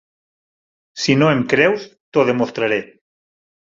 Si no em creus, t"ho demostraré.